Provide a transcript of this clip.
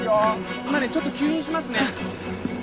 今ねちょっと吸引しますね。